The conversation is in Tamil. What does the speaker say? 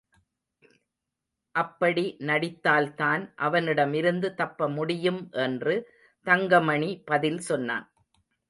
அப்படி நடித்தால்தான் அவனிடமிருந்து தப்ப முடியும் என்று தங்கமணி பதில் சொன்னான்.